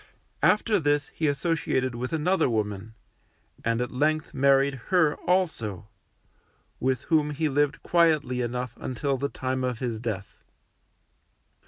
After this he associated with another woman, and at length married her also, with whom he lived quietly enough until the time of his death.